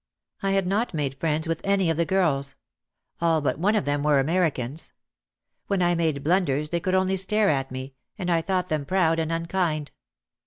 I had not made friends with any of the girls. All but one of them were Americans. When I made blunders they could only stare at me, and I thought them proud and unkind.